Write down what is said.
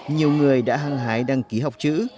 nhiều người đã hăng hái đăng ký học chữ